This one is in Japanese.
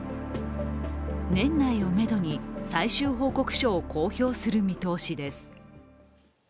年内をめどに最終報告書を公表する見通しです。